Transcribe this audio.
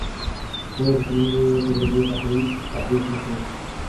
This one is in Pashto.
ولې د ټولنیزو تجربو تحریف مه کوې؟